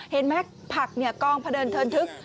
เห็นไหมภักดิ์เนี่ยกล้องพระเดินเทินทึก